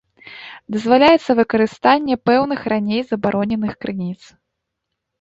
Дазваляецца выкарыстанне пэўных раней забароненых крыніц.